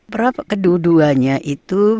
prof kedua duanya itu